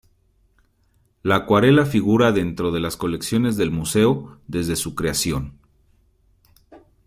La acuarela figura dentro de las colecciones del museo desde su creación.